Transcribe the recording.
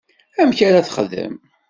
Amek ara texdem?